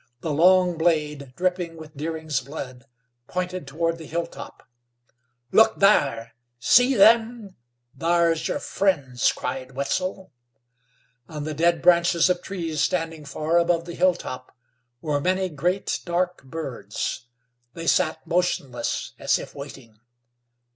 The long blade, dripping with Deering's blood, pointed toward the hilltop. "Look thar! See 'em! Thar's yer friends!" cried Wetzel. On the dead branches of trees standing far above the hilltop, were many great, dark birds. They sat motionless as if waiting.